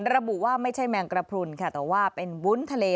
ระบุว่าไม่ใช่แมงกระพรุนค่ะแต่ว่าเป็นวุ้นทะเล